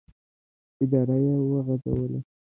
اداره یې وغځوله.